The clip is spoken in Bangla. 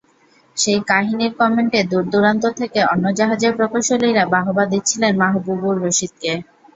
সেই কাহিনির কমেন্টে দূরদূরান্ত থেকে অন্য জাহাজের প্রকৌশলীরা বাহবা দিচ্ছিলেন মাহবুবুর রশীদকে।